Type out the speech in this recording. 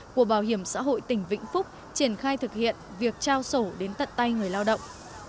của bảo hiểm xã hội tỉnh vĩnh phúc triển khai thực hiện việc trao sổ đến tận tay người lao động